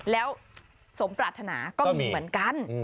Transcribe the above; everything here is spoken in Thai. แล้วสมปรารถนาก็มีเหมือนกัน